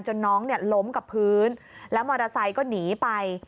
น้องล้มกับพื้นแล้วมอเตอร์ไซค์ก็หนีไป